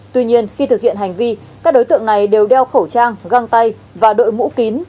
tuy nhiên khi thực hiện hành vi các đối tượng này đều đeo khẩu trang găng tay và đội mũ kín